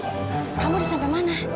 kamu udah sampai mana